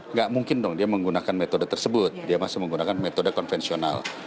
nggak mungkin dong dia menggunakan metode tersebut dia masih menggunakan metode konvensional